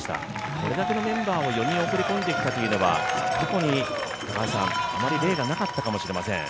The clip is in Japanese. これだけのメンバーを４人送り込んできたというのは、過去にあまり例がなかったかもしれません。